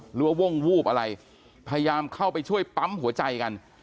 วงวูบอะไรพยายามเข้าไปช่วยปั๊มหัวใจกัน